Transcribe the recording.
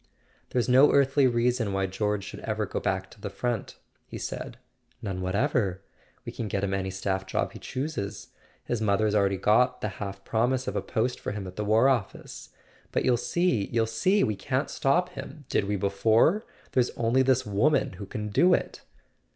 "There's no earthly reason why George should ever go back to the front," he said. "None whatever. We can get him any staff job he chooses. His mother's already got the half promise of a post for him at the War Office. But you'll see, you'll see! We can't stop him. Did we before ? There's only this woman who can do it!